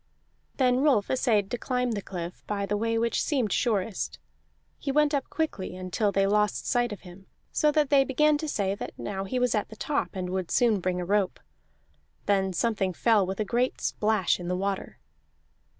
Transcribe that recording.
Then Rolf essayed to climb the cliff by the way which seemed surest; he went up quickly until they lost sight of him, so that they began to say that now he was at the top, and would soon bring a rope. Then something fell with a great splash in the water.